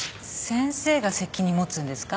先生が責任持つんですか？